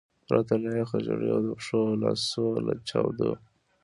پرته له یخه ژیړي او د پښو او لاسو له چاودو.